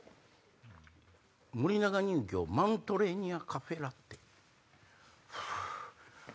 森永乳業マウントレーニアカフェラッテ。